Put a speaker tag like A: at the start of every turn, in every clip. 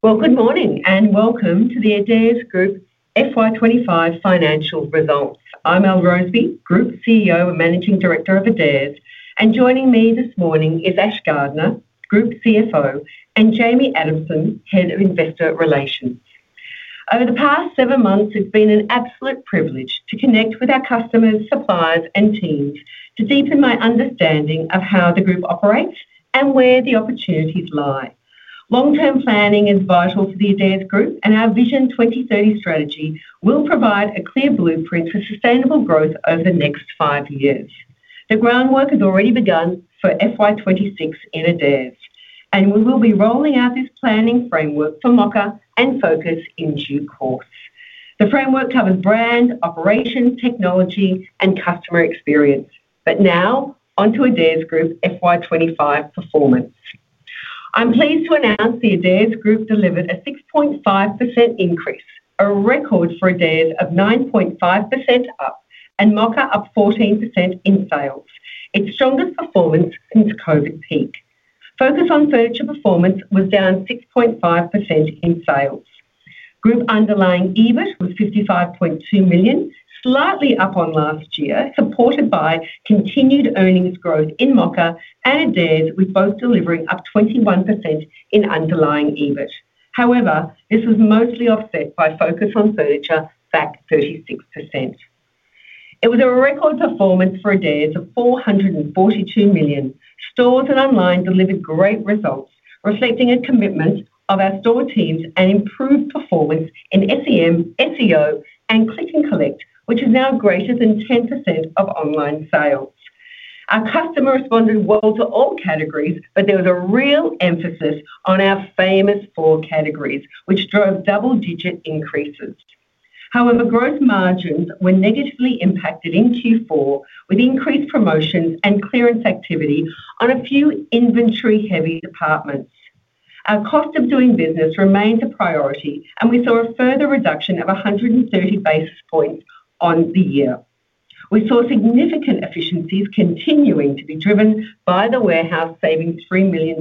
A: Good morning and welcome to the Adairs Group FY 2025 Financial Results. I'm Elle Roseby, Group CEO and Managing Director of Adairs. Joining me this morning is Ashley Gardner, Group CFO, and Jamie Adamson, Head of Investor Relations. Over the past seven months, it's been an absolute privilege to connect with our customers, suppliers, and teams to deepen my understanding of how the group operates and where the opportunities lie. Long-term planning is vital for the Adairs Group, and our Vision 2030 strategy will provide a clear blueprint for sustainable growth over the next five years. The groundwork has already begun for FY 2026 in Adairs, and we will be rolling out this planning framework for Mocka and Focus on Furniture in due course. The framework covers brand, operations, technology, and customer experience. Now, onto Adairs Group FY 2025 performance. I'm pleased to announce the Adairs Group delivered a 6.5% increase, a record for Adairs of 9.5% up, and Mocka up 14% in sales, its strongest performance since the COVID peak. Focus on Furniture performance was down 6.5% in sales. Group underlying EBIT was $55.2 million, slightly up on last year, supported by continued earnings growth in Mocka and Adairs, with both delivering up 21% in underlying EBIT. However, this was mostly offset by Focus on Furniture back 36%. It was a record performance for Adairs at $442 million. Stores and online delivered great results, reflecting a commitment of our store teams and improved performance in SEM, SEO, and Click & Collect, which is now greater than 10% of online sales. Our customers responded well to all categories, but there was a real emphasis on our famous four categories, which drove double-digit increases. However, gross margins were negatively impacted in Q4, with increased promotions and clearance activity on a few inventory-heavy departments. Our cost of doing business remains a priority, and we saw a further reduction of 130 basis points on the year. We saw significant efficiencies continuing to be driven by the warehouse saving $3 million.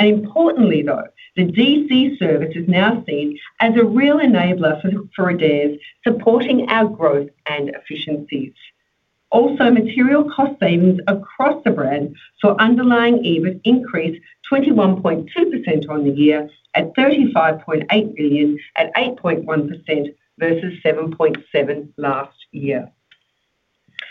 A: Importantly, though, the DC service is now seen as a real enabler for Adairs, supporting our growth and efficiencies. Also, material cost savings across the brand saw underlying EBIT increase 21.2% on the year at $35.8 million at 8.1% versus 7.7% last year.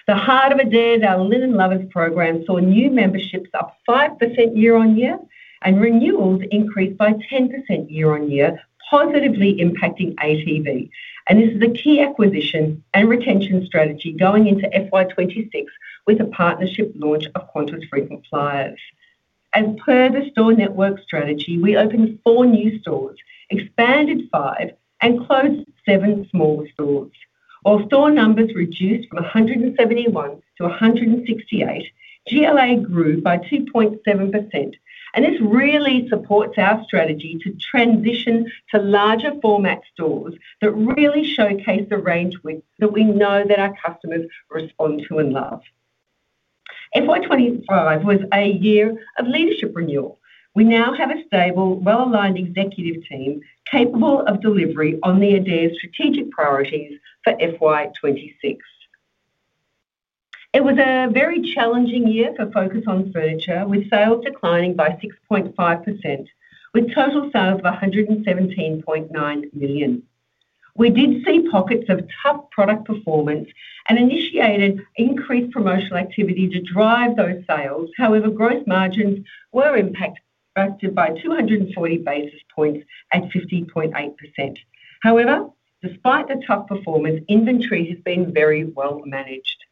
A: The heart of Adairs, our Linen Lovers program, saw new memberships up 5% year-on-year, and renewals increased by 10% year-on-year, positively impacting ATV. This is a key acquisition and retention strategy going into FY 2026 with the partnership launch of Qantas Frequent Flyer. As per the store network strategy, we opened four new stores, expanded five, and closed seven small stores. While store numbers reduced from 171 to 168, GLA grew by 2.7%. This really supports our strategy to transition to larger format stores that really showcase the range that we know our customers respond to and love. FY 2025 was a year of leadership renewal. We now have a stable, well-aligned executive team capable of delivery on the Adairs' strategic priorities for FY 2026. It was a very challenging year for Focus on Furniture, with sales declining by 6.5%, with total sales of $117.9 million. We did see pockets of tough product performance and initiated increased promotional activity to drive those sales. However, gross margins were impacted by 240 basis points at 50.8%. Despite the tough performance, inventory has been very well managed.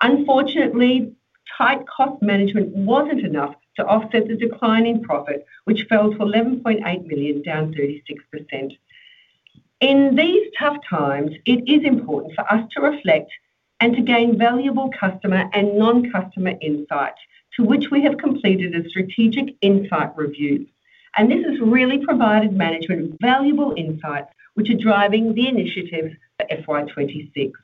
A: Unfortunately, tight cost management wasn't enough to offset the declining profit, which fell to $11.8 million, down 36%. In these tough times, it is important for us to reflect and to gain valuable customer and non-customer insight, to which we have completed a strategic insight review. This has really provided management with valuable insights, which are driving the initiative for FY 2026.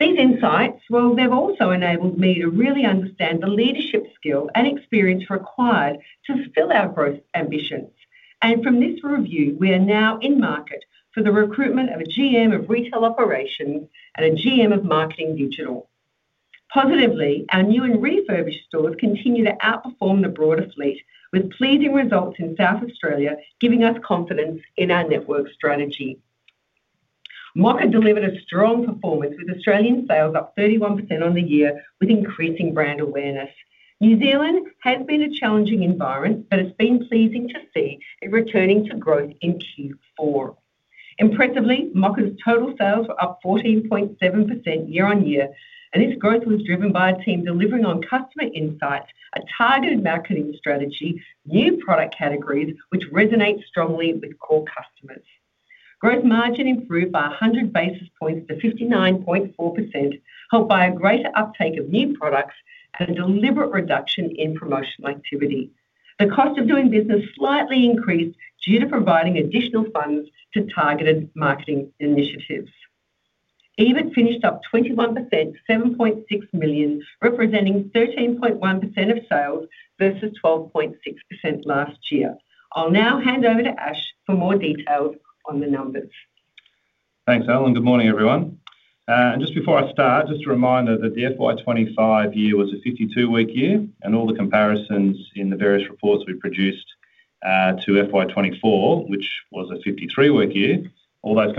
A: These insights have also enabled me to really understand the leadership skill and experience required to fulfill our growth ambitions. From this review, we are now in market for the recruitment of a GM of Retail Operations and a GM of Marketing Digital. Positively, our new and refurbished stores continue to outperform the broader fleet, with pleasing results in South Australia, giving us confidence in our network strategy. Mocka delivered a strong performance, with Australian sales up 31% on the year, with increasing brand awareness. New Zealand has been a challenging environment, but it's been pleasing to see it returning to growth in Q4. Impressively, Mocka's total sales were up 14.7% year-on-year, and this growth was driven by a team delivering on customer insight, a targeted marketing strategy, and new product categories, which resonate strongly with core customers. Gross margin improved by 100 basis points to 59.4%, helped by a greater uptake of new products and a deliberate reduction in promotional activity. The cost of doing business slightly increased due to providing additional funds to targeted marketing initiatives. EBIT finished up 21%, $7.6 million, representing 13.1% of sales versus 12.6% last year. I'll now hand over to Ash for more details on the numbers.
B: Thanks, Elle. Good morning, everyone. Just before I start, a reminder that the FY 2025 year was a 52-week year, and all the comparisons in the various reports we produced to FY 2024, which was a 53-week year, are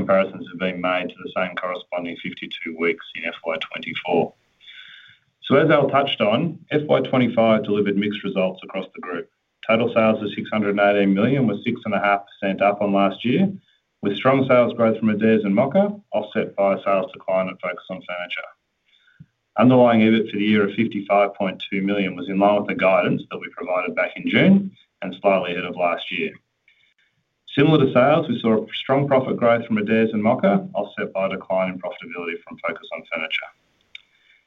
B: being made to the same corresponding 52 weeks in FY 2024. As Elle touched on, FY 2025 delivered mixed results across the group. Total sales of $618 million was 6.5% up on last year, with strong sales growth from Adairs and Mocka offset by a sales decline at Focus on Furniture. Underlying EBIT for the year of $55.2 million was in line with the guidance that we provided back in June and slightly ahead of last year. Similar to sales, we saw strong profit growth from Adairs and Mocka offset by a decline in profitability from Focus on Furniture.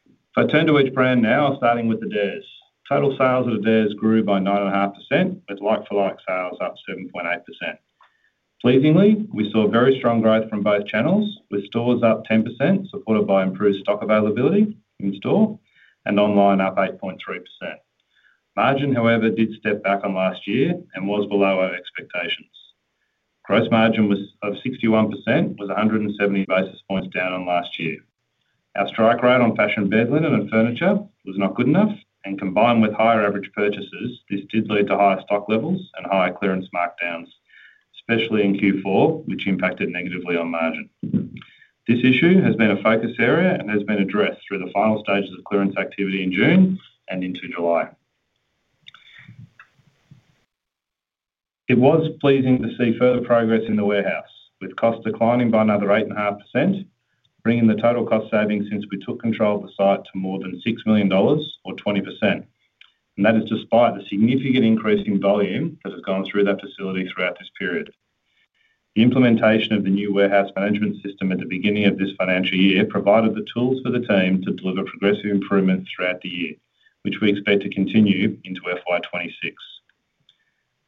B: If I turn to each brand now, starting with Adairs, total sales at Adairs grew by 9.5%, with like-for-like sales up 7.8%. Pleasingly, we saw very strong growth from both channels, with stores up 10%, supported by improved stock availability in store, and online up 8.3%. Margin, however, did step back on last year and was below our expectations. Gross margin was over 61%, 170 basis points down on last year. Our strike rate on fashion bed linens and furniture was not good enough, and combined with higher average purchases, this did lead to higher stock levels and higher clearance markdowns, especially in Q4, which impacted negatively on margin. This issue has been a focus area and has been addressed through the final stages of clearance activity in June and into July. It was pleasing to see further progress in the warehouse, with costs declining by another 8.5%, bringing the total cost savings since we took control of the site to more than $6 million, or 20%. That is despite the significant increase in volume that has gone through that facility throughout this period. The implementation of the new warehouse management system at the beginning of this financial year provided the tools for the team to deliver progressive improvements throughout the year, which we expect to continue into FY 2026.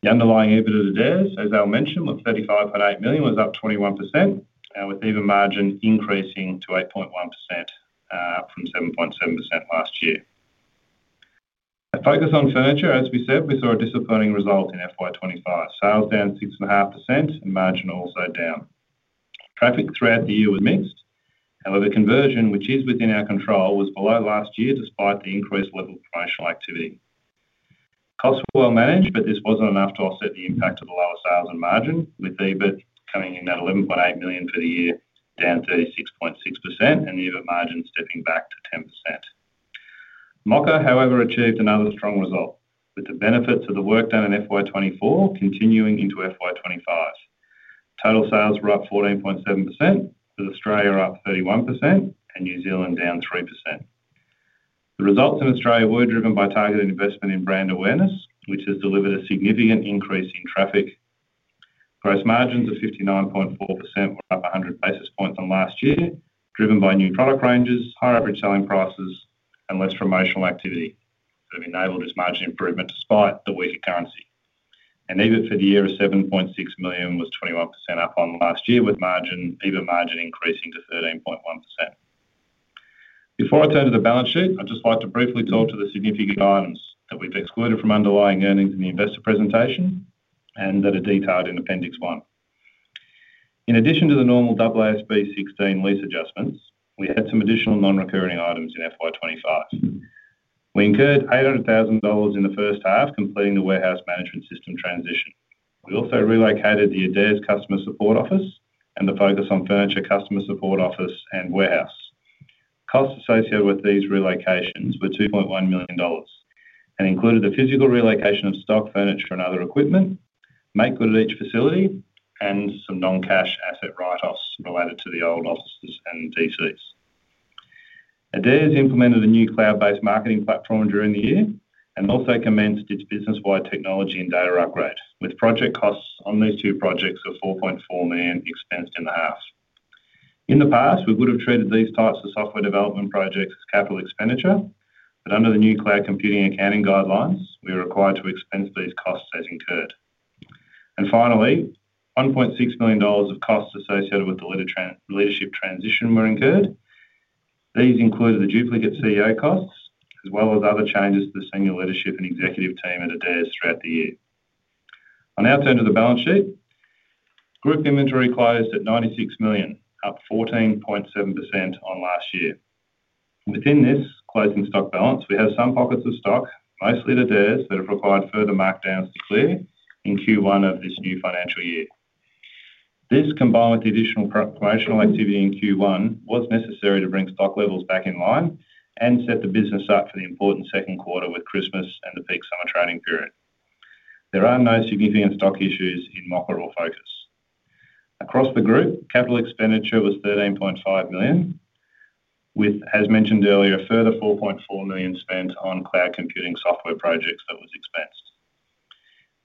B: The underlying EBIT of Adairs, as Elle mentioned, was $35.8 million, up 21%, with EBIT margin increasing to 8.1%, up from 7.7% last year. At Focus on Furniture, as we said, we saw a disappointing result in FY 2025. Sales down 6.5% and margin also down. Traffic throughout the year was mixed, and the conversion, which is within our control, was below last year despite the increased level of promotional activity. Costs were well managed, but this wasn't enough to offset the impact of the lower sales and margin, with EBIT coming in at $11.8 million for the year, down 36.6%, and EBIT margin stepping back to 10%. Mocka, however, achieved another strong result, with the benefits of the work done in FY 2024 continuing into FY 2025. Total sales were up 14.7%, with Australia up 31% and New Zealand down 3%. The results in Australia were driven by targeted investment in brand awareness, which has delivered a significant increase in traffic. Gross margins of 59.4%, up 100 basis points on last year, were driven by new product ranges, higher average selling prices, and less promotional activity that have enabled this margin improvement despite the weaker currency. EBIT for the year of $7.6 million was 21% up on last year, with EBIT margin increasing to 13.1%. Before I turn to the balance sheet, I'd just like to briefly talk to the significant items that we've excluded from underlying earnings in the investor presentation and that are detailed in Appendix One. In addition to the normal AASB 16 lease adjustments, we had some additional non-recurring items in FY 2025. We incurred $800,000 in the first half, completing the warehouse management system transition. We also relocated the Adairs customer support office and the Focus on Furniture customer support office and warehouse. Costs associated with these relocations were $2.1 million and included the physical relocation of stock, furniture, and other equipment, make good each facility, and some non-cash asset write-offs related to the old offices and DCs. Adairs implemented a new cloud-based marketing platform during the year and also commenced its business-wide technology and data upgrade, with project costs on these two projects of $4.4 million expensed in the half. In the past, we would have treated these types of software development projects as capital expenditure, but under the new cloud computing and accounting guidelines, we are required to expense these costs as incurred. Finally, $1.6 million of costs associated with the leadership transition were incurred. These included the duplicate CEO costs, as well as other changes to the senior leadership and executive team at Adairs throughout the year. On our turn to the balance sheet, group inventory closed at $96 million, up 14.7% on last year. Within this closing stock balance, we have some pockets of stock, mostly Adairs, that have required further markdowns to clear in Q1 of this new financial year. This, combined with the additional operational activity in Q1, was necessary to bring stock levels back in line and set the business up for the important second quarter with Christmas and the peak summer trading period. There are no significant stock issues in Mocka or Focus on Furniture. Across the group, capital expenditure was $13.5 million, with, as mentioned earlier, a further $4.4 million spent on cloud-based software projects that were expensed.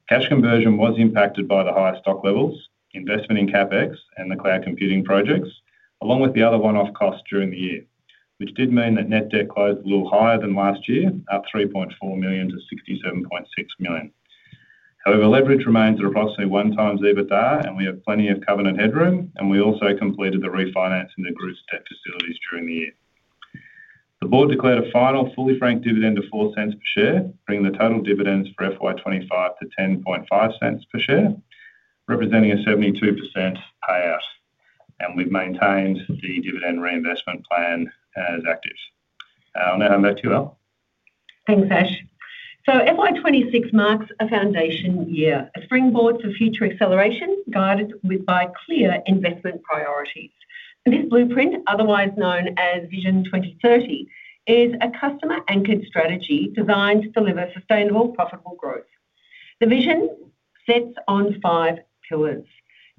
B: Cash conversion was impacted by the higher stock levels, investment in CapEx, and the cloud-based software projects, along with the other one-off costs during the year, which did mean that net debt closed a little higher than last year, up $3.4 million to $67.6 million. However, leverage remains at approximately one times EBITDA, and we have plenty of covenant headroom, and we also completed the refinancing of the group's debt facilities during the year. The board declared a final fully franked dividend of $0.04 per share, bringing the total dividends for FY 2025 to $0.105 per share, representing a 72% payout. We have maintained the dividend reinvestment plan as active. I'll now hand back to you, Elle.
A: Thanks, Ash. FY 2026 marks a foundation year, a springboard for future acceleration, guided by clear investment priorities. This blueprint, otherwise known as Vision 2030, is a customer-anchored strategy designed to deliver sustainable, profitable growth. The vision sits on five pillars: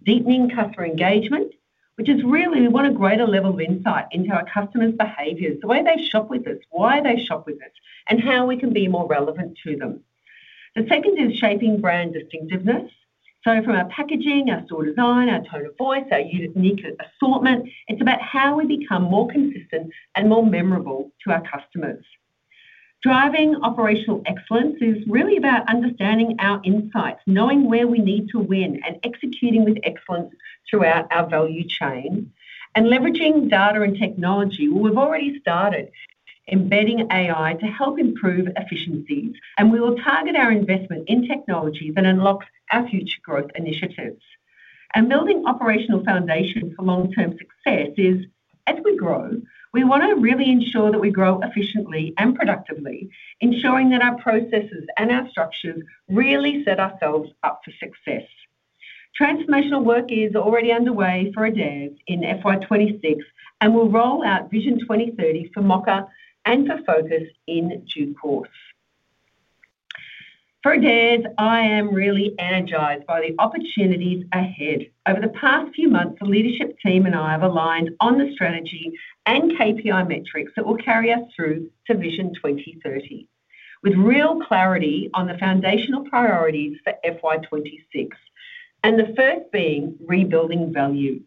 A: deepening customer engagement, which is really, we want a greater level of insight into our customers' behaviors, the way they shop with us, why they shop with us, and how we can be more relevant to them. The second is shaping brand distinctiveness. From our packaging, our store design, our tone of voice, our unique assortment, it's about how we become more consistent and more memorable to our customers. Driving operational excellence is really about understanding our insights, knowing where we need to win, and executing with excellence throughout our value chain, and leveraging data and technology. We've already started embedding AI to help improve efficiencies, and we will target our investment in technology that unlocks our future growth initiatives. Building operational foundations for long-term success is, as we grow, we want to really ensure that we grow efficiently and productively, ensuring that our processes and our structures really set ourselves up for success. Transformational work is already underway for Adairs in FY26, and we'll roll out Vision 2030 for Mocka and for Focus on Furniture on June 4th. For Adairs, I am really energized by the opportunities ahead. Over the past few months, the leadership team and I have aligned on the strategy and KPI metrics that will carry us through to Vision 2030, with real clarity on the foundational priorities for FY26, and the first being rebuilding value.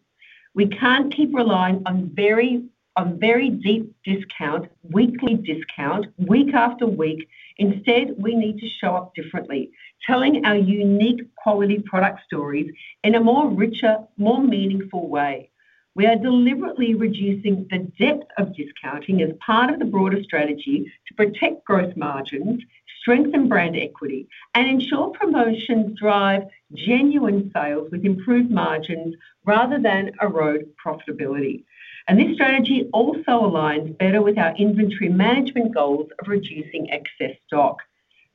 A: We can't keep relying on very deep discounts, weekly discounts, week after week. Instead, we need to show up differently, telling our unique quality product stories in a richer, more meaningful way. We are deliberately reducing the depth of discounting as part of the broader strategy to protect gross margins, strengthen brand equity, and ensure promotions drive genuine sales with improved margins rather than erode profitability. This strategy also aligns better with our inventory management goals of reducing excess stock.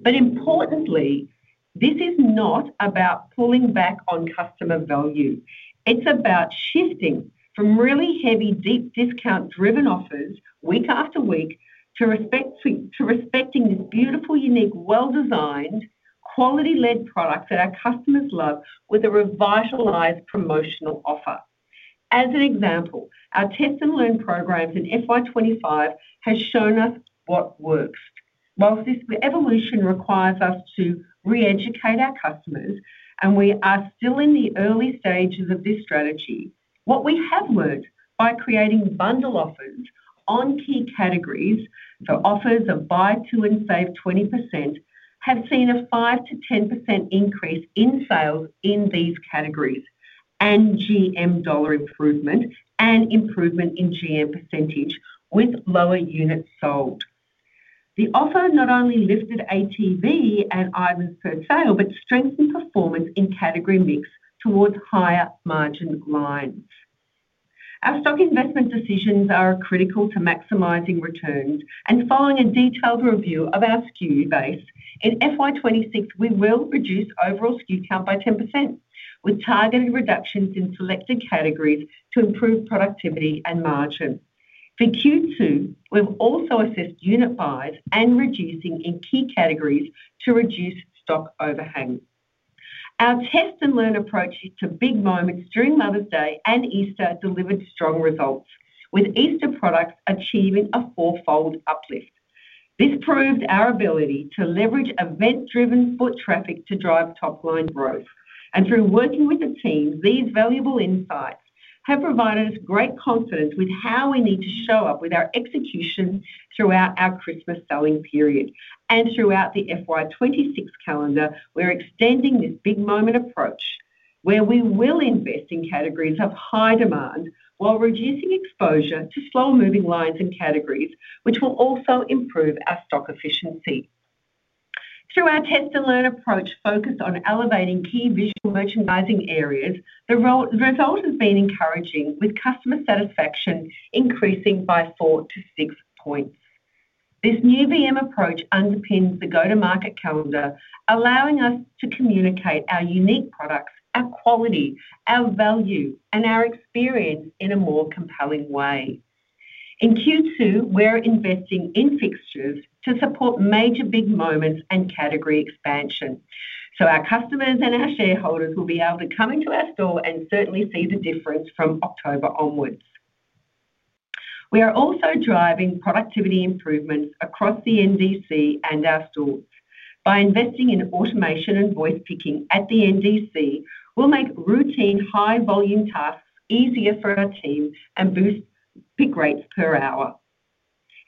A: Importantly, this is not about pulling back on customer value. It's about shifting from really heavy, deep discount-driven offers week after week to respecting these beautiful, unique, well-designed, quality-led products that our customers love with a revitalized promotional offer. As an example, our test and learn programs in FY2025 have shown us what works. Whilst this evolution requires us to reeducate our customers, and we are still in the early stages of this strategy, what we have learned by creating bundle offers on key categories, so offers of buy two and save 20%, have seen a 5% to 10% increase in sales in these categories and GM dollar improvement and improvement in GM percentage with lower units sold. The offer not only lifted ATV and items per sale, but strengthened performance in category mix towards higher margin lines. Our stock investment decisions are critical to maximizing returns and following a detailed review of our SKU base. In FY 2026, we will reduce overall SKU count by 10%, with targeted reductions in selected categories to improve productivity and margin. For Q2, we've also assessed unit buys and reducing in key categories to reduce stock overhang. Our test and learn approaches to big moments during Mother's Day and Easter delivered strong results, with Easter products achieving a four-fold uplift. This proved our ability to leverage event-driven foot traffic to drive top-line growth. Through working with the team, these valuable insights have provided us great confidence with how we need to show up with our execution throughout our Christmas selling period. Throughout the FY 2026 calendar, we're extending this big moment approach, where we will invest in categories of high demand while reducing exposure to slower-moving lines and categories, which will also improve our stock efficiency. Through our test and learn approach focused on elevating key visual merchandising areas, the result has been encouraging, with customer satisfaction increasing by four to six points. This new VM approach underpins the go-to-market calendar, allowing us to communicate our unique products, our quality, our value, and our experience in a more compelling way. In Q2, we're investing in fixtures to support major big moments and category expansion. Our customers and our shareholders will be able to come into our store and certainly see the difference from October onwards. We are also driving productivity improvement across the NDC and our stores. By investing in automation and voice picking at the NDC, we'll make routine high-volume tasks easier for our team and boost pick rates per hour.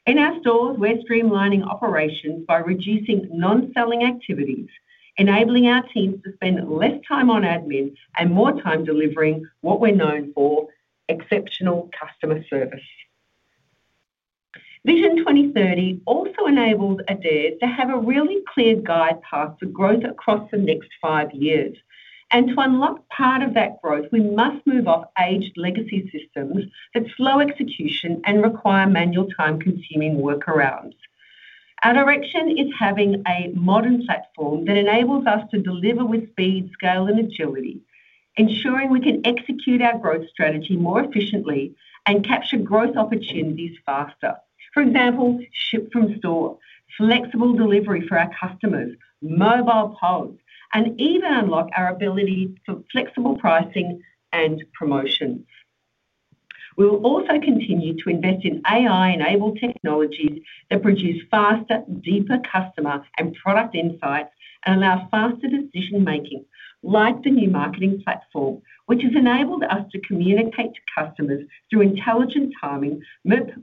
A: In our stores, we're streamlining operations by reducing non-selling activities, enabling our team to spend less time on admin and more time delivering what we're known for: exceptional customer service. Vision 2030 also enables Adairs to have a really clear guide path for growth across the next five years. To unlock part of that growth, we must move off aged legacy systems that slow execution and require manual time-consuming workarounds. Our direction is having a modern platform that enables us to deliver with speed, scale, and agility, ensuring we can execute our growth strategy more efficiently and capture growth opportunities faster. For example, ship from store, flexible delivery for our customers, mobile polls, and even unlock our ability for flexible pricing and promotion. We will also continue to invest in AI-enabled technologies that produce faster, deeper customer and product insights and allow faster decision-making, like the new marketing platform, which has enabled us to communicate to customers through intelligent timing,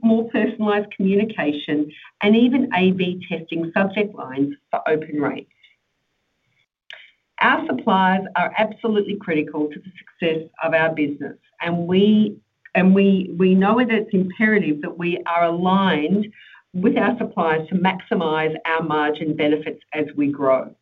A: more personalized communication, and even A/B testing subject lines for open rates. Our suppliers are absolutely critical to the success of our business, and we know that it's imperative that we are aligned with our suppliers to maximize our margin benefits as we grow.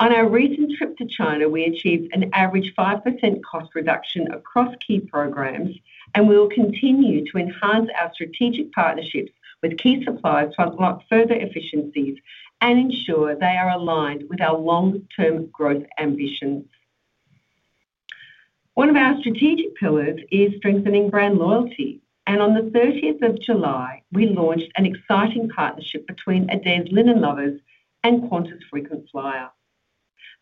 A: On our recent trip to China, we achieved an average 5% cost reduction across key programs, and we will continue to enhance our strategic partnerships with key suppliers to unlock further efficiencies and ensure they are aligned with our long-term growth ambitions. One of our strategic pillars is strengthening brand loyalty. On the 30th of July, we launched an exciting partnership between Adairs Linen Lovers and Qantas Frequent Flyer.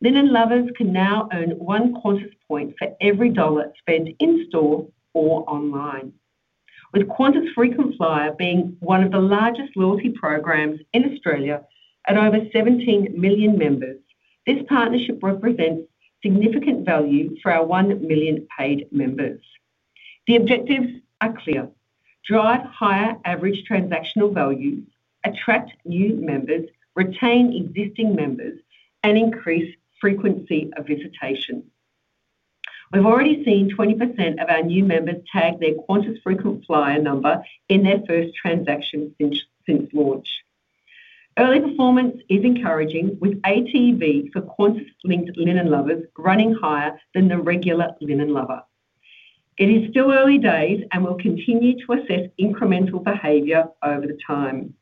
A: Linen Lovers can now earn one Qantas point for every dollar spent in store or online. With Qantas Frequent Flyer being one of the largest loyalty programs in Australia and over 17 million members, this partnership represents significant value for our 1 million paid members. The objectives are clear: drive higher average transactional value, attract new members, retain existing members, and increase frequency of visitation. We've already seen 20% of our new members tag their Qantas Frequent Flyer number in their first transaction since launch. Early performance is encouraging, with ATV for Qantas-linked Linen Lovers running higher than the regular Linen Lover. It is still early days, and we'll continue to assess incremental behavior over time.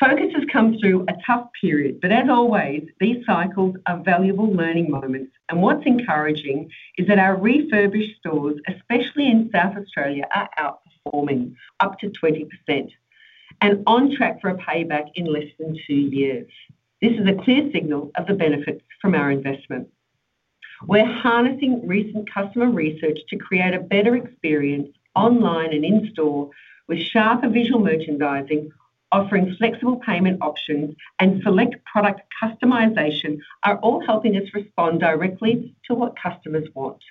A: Focus on Furniture has come through a tough period, but as always, these cycles are valuable learning moments. What's encouraging is that our refurbished stores, especially in South Australia, are outperforming up to 20% and on track for a payback in less than two years. This is a clear signal of the benefits from our investment. We're harnessing recent customer research to create a better experience online and in store, with sharper visual merchandising, offering flexible payment options, and select product customization are all helping us respond directly to what customers want.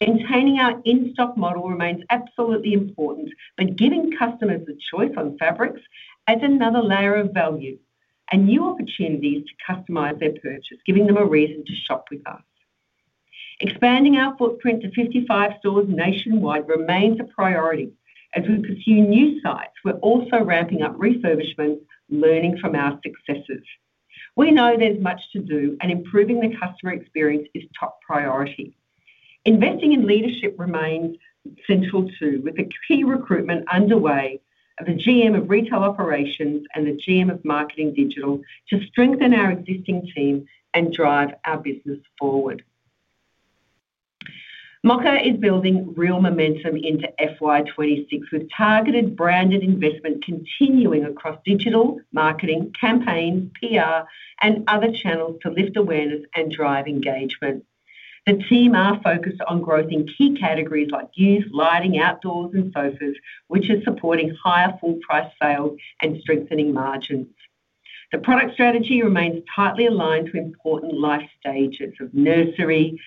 A: Maintaining our in-stock model remains absolutely important, but giving customers the choice on fabrics adds another layer of value and new opportunities to customize their purchase, giving them a reason to shop with us. Expanding our footprint to 55 stores nationwide remains a priority. As we pursue new sites, we're also ramping up refurbishment, learning from our successes. We know there's much to do, and improving the customer experience is top priority. Investing in leadership remains essential too, with the key recruitment underway of the GM of Retail Operations and the GM of Marketing Digital to strengthen our existing team and drive our business forward. Mocka is building real momentum into FY2026, with targeted branded investment continuing across digital marketing campaigns, PR, and other channels to lift awareness and drive engagement. The team are focused on growth in key categories like youth, lighting, outdoors, and Focus on Furniture, which is supporting higher full-price sales and strengthening margins. The product strategy remains tightly aligned to important life stages of nursery,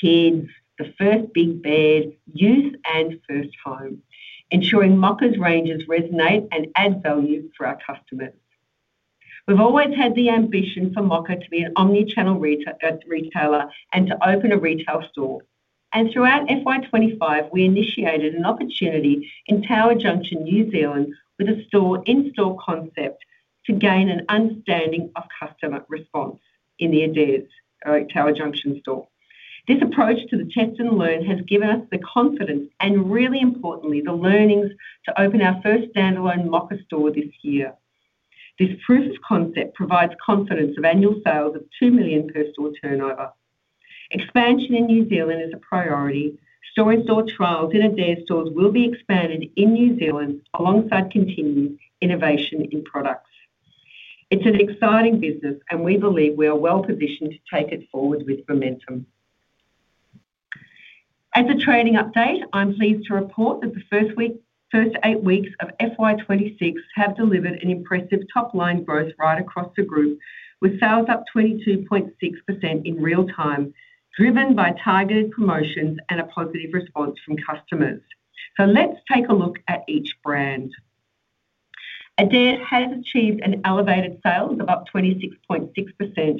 A: kids, the first big bed, youth, and first home, ensuring Mocka's ranges resonate and add value for our customers. We've always had the ambition for Mocka to be an omnichannel retailer and to open a retail store. Throughout FY 2025, we initiated an opportunity in Tower Junction, New Zealand, with a store-in-store concept to gain an understanding of customer response in the Adairs Tower Junction store. This approach to the test and learn has given us the confidence and, really importantly, the learnings to open our first standalone Mocka store this year. This proof of concept provides confidence of annual sales of $2 million per store turnover. Expansion in New Zealand is a priority. Store-in-store trials in Adairs stores will be expanded in New Zealand, alongside continuing innovation in products. It's an exciting business, and we believe we are well positioned to take it forward with momentum. As a trading update, I'm pleased to report that the first eight weeks of FY 2026 have delivered an impressive top-line growth ride across the group, with sales up 22.6% in real time, driven by targeted promotions and a positive response from customers. Let's take a look at each brand. Adairs has achieved an elevated sales of up 26.6%.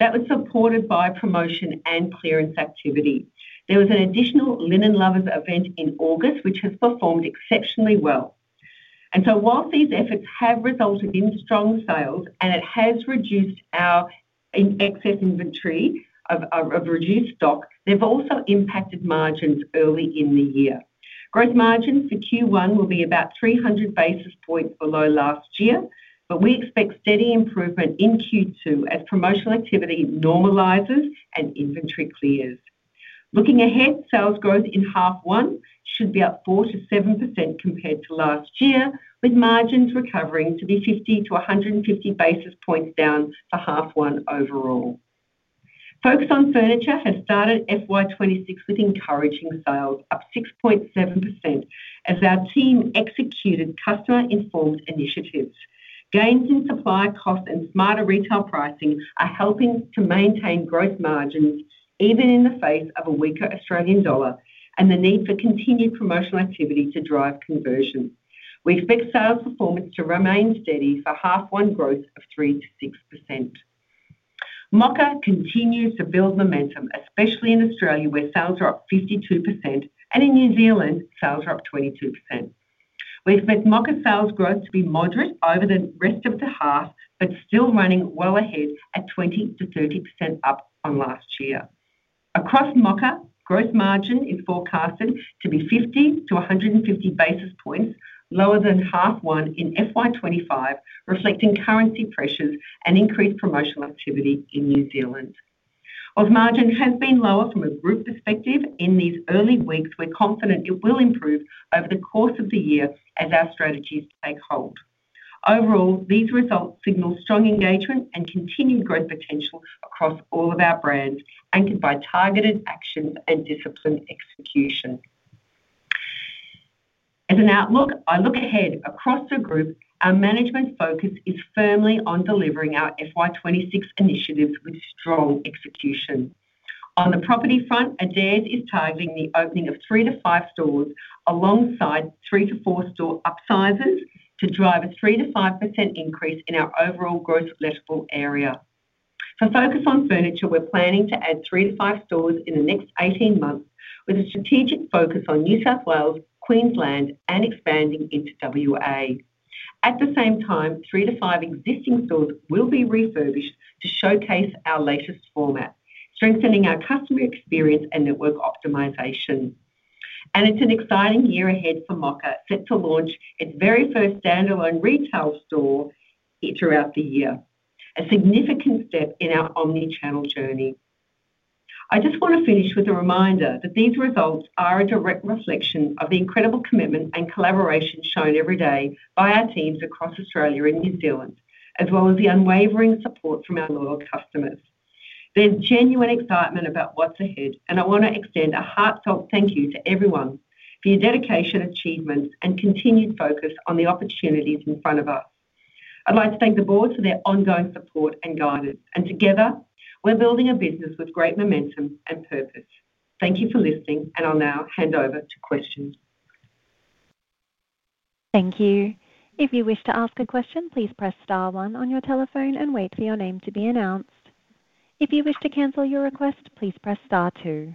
A: That was supported by promotion and clearance activity. There was an additional Adairs Linen Lovers event in August, which has performed exceptionally well. Whilst these efforts have resulted in strong sales and it has reduced our excess inventory of reduced stock, they've also impacted margins early in the year. Gross margins for Q1 will be about 300 basis points below last year, but we expect steady improvement in Q2 as promotional activity normalizes and inventory clears. Looking ahead, sales growth in half one should be up 4%-7% compared to last year, with margins recovering to be 50 to 150 basis points down for half one overall. Focus on Furniture has started FY 2026 with encouraging sales up 6.7% as our team executed customer-informed initiatives. Gains in supplier costs and smarter retail pricing are helping to maintain gross margins even in the face of a weaker Australian dollar and the need for continued promotional activity to drive conversion. We expect sales performance to remain steady for half one growth of 3%-6%. Mocka continues to build momentum, especially in Australia, where sales are up 52%, and in New Zealand, sales are up 22%. We expect Mocka sales growth to be moderate over the rest of the half, but still running well ahead at 20%-30% up on last year. Across Mocka, gross margin is forecasted to be 50-150 basis points lower than half one in FY 2025, reflecting currency pressures and increased promotional activity in New Zealand. Whilst margin has been lower from a group perspective in these early weeks, we're confident it will improve over the course of the year as our strategies take hold. Overall, these results signal strong engagement and continued growth potential across all of our brands, anchored by targeted actions and disciplined execution. As an outlook, I look ahead across the group. Our management focus is firmly on delivering our FY 2026 initiatives with strong execution. On the property front, Adairs is targeting the opening of three to five stores alongside three to four store upsizes to drive a 3%-5% increase in our overall gross lettable area. For Focus on Furniture, we're planning to add three to five stores in the next 18 months, with a strategic focus on New South Wales, Queensland, and expanding into Western Australia. At the same time, three to five existing stores will be refurbished to showcase our latest format, strengthening our customer experience and network optimization. It's an exciting year ahead for Mocka, set to launch its very first standalone retail store throughout the year, a significant step in our omnichannel journey. I just want to finish with a reminder that these results are a direct reflection of the incredible commitment and collaboration shown every day by our teams across Australia and New Zealand, as well as the unwavering support from our loyal customers. There's genuine excitement about what's ahead, and I want to extend a heartfelt thank you to everyone for your dedication, achievement, and continued focus on the opportunities in front of us. I'd like to thank the board for their ongoing support and guidance. Together, we're building a business with great momentum and purpose. Thank you for listening, and I'll now hand over to questions.
C: Thank you. If you wish to ask a question, please press star one on your telephone and wait for your name to be announced. If you wish to cancel your request, please press star two.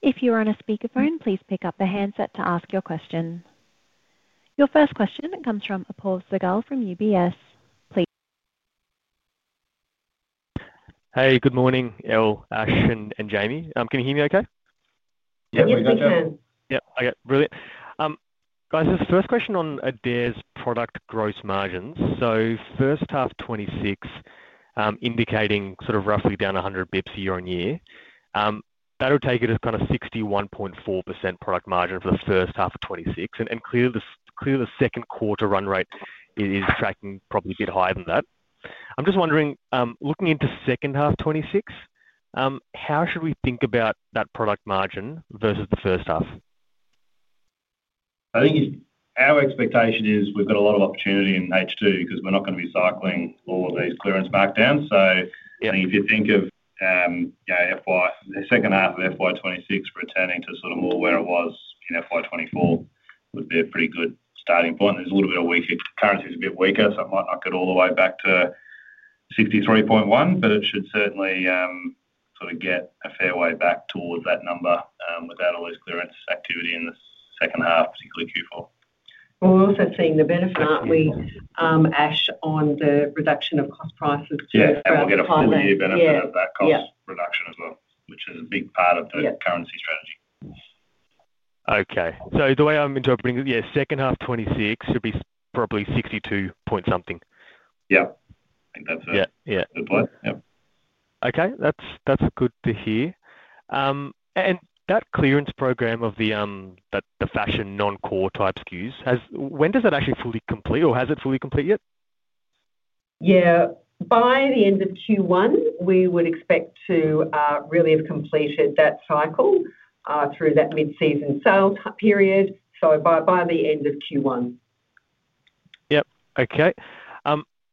C: If you're on a speakerphone, please pick up the handset to ask your question. Your first question comes from Apoorv Sehgal from UBS.
D: Hey, good morning, Elle, Ash, and Jamie. Can you hear me okay?
B: Yep, we got you.
A: Yep, I got you.
D: Brilliant. This first question on Adairs' product gross margins. First half of 2026, indicating sort of roughly down 100 basis points year-on-year. That'll take it as kind of 61.4% product margin for the first half of 2026. Clearly, the second quarter run rate is tracking probably a bit higher than that. I'm just wondering, looking into second half of 2026, how should we think about that product margin versus the first half?
B: I think our expectation is we've got a lot of opportunity in H2 because we're not going to be cycling all of these clearance markdowns. I think if you think of the second half of FY 2026 returning to sort of more where it was in FY 2024, it would be a pretty good starting point. There's a little bit of weak currency that's a bit weaker, so it might not get all the way back to $63.1 million, but it should certainly get a fair way back towards that number, without all this clearance activity in the second half, particularly Q4.
A: We're also seeing the benefit, aren't we, Ash, on the reduction of cost prices too.
B: Yeah, we'll get a full year benefit of that cost reduction as well, which is a big part of the currency strategy.
D: Okay, the way I'm interpreting it, yeah, second half of 2026 should be probably 62 point something.
B: Yeah, I think that's it.
D: Yeah, okay, that's good to hear. That clearance program of the fashion non-core type SKUs, when does it actually fully complete or has it fully completed yet?
A: By the end of Q1, we would expect to really have completed that cycle through that mid-season sale period, by the end of Q1.
D: Yep, okay.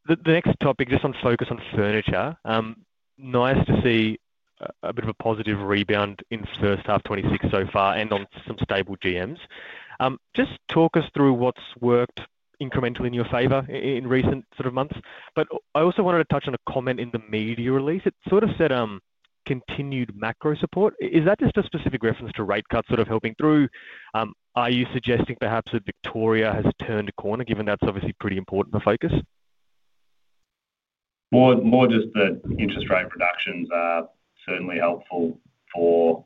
D: The next topic, just on Focus on Furniture. Nice to see a bit of a positive rebound in first half 2026 so far and on some stable GMs. Just talk us through what's worked incrementally in your favor in recent sort of months. I also wanted to touch on a comment in the media release. It sort of said, continued macro support. Is that just a specific reference to rate cuts sort of helping through? Are you suggesting perhaps that Victoria has turned a corner given that's obviously pretty important for Focus?
B: Interest rate reductions are certainly helpful for